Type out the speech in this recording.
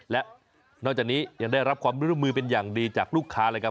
และนอกจากนี้ยังได้รับความร่วมมือเป็นอย่างดีจากลูกค้าเลยครับ